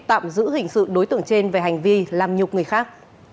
tạm giữ hình sự đối tượng trên về hành vi làm nhục người khác